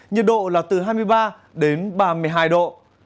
nhiệt độ là từ hai mươi ba đến ba mươi hai độ